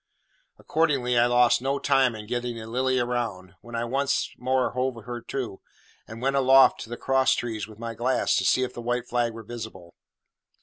Accordingly, I lost no time in getting the Lily round, when I once more hove her to, and went aloft to the cross trees with my glass to see if the white flag were visible.